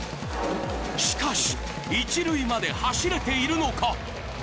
しかし、一塁まで走れているのか？